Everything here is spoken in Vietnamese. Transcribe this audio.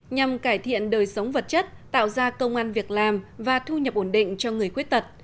nhằm cải thiện đời sống vật chất tạo ra công an việc làm và thu nhập ổn định cho người khuyết tật